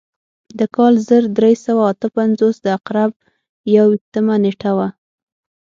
د کال زر درې سوه اته پنځوس د عقرب یو ویشتمه نېټه وه.